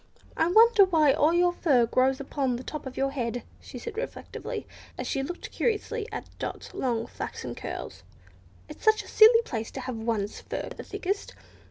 I wonder why all your fur grows upon the top of your head," she said reflectively, as she looked curiously at Dot's long flaxen curls. "It's such a silly place to have one's fur the thickest!